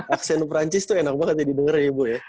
aksen perancis tuh enak banget ya di dengerin ya bu ya